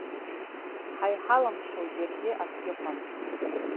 Ҳа иҳалымшо џьаргьы акгьыҟам.